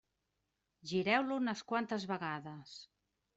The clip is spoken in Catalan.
Gireu-lo unes quantes vegades.